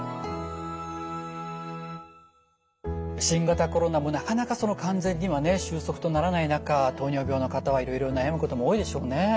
新型コロナもなかなかその完全にはね終息とならない中糖尿病の方はいろいろ悩むことも多いでしょうね。